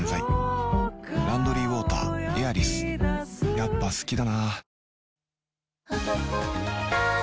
やっぱ好きだな